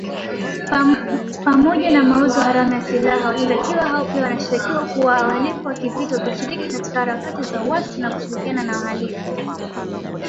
Pamoja na mauzo haramu ya silaha, washtakiwa hao pia wanashtakiwa kwa uhalifu wa kivita, kushiriki katika harakati za uasi na kushirikiana na wahalifu